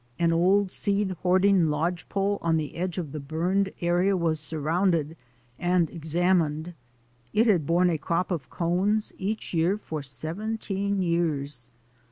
An old seed hoarding lodgepole on the edge of the burned area was sur rounded and examined. It had borne a crop or cones each year for seventeen years.